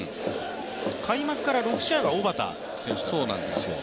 開幕から６試合は小幡選手と。